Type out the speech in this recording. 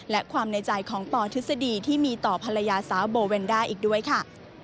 และความในใจของปทฤษฎีที่มีต่อภรรยาสาวโบเวนด้าอีกด้วยค่ะ